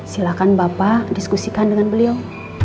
silahkan bapak diskusikan dengan beliau